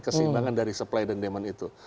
keseimbangan dari supply dan demand itu